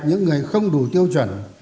những người không đủ tiêu chuẩn